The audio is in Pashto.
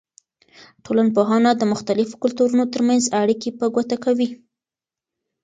ټولنپوهنه د مختلفو کلتورونو ترمنځ اړیکې په ګوته کوي.